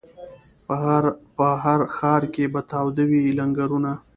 په هر ښار کي به تاوده وي لنګرونه